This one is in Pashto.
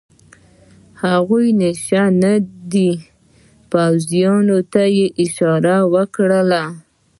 هغوی نشه دي، پوځیانو ته یې اشاره وکړل.